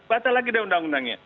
bata lagi dengan undang undangnya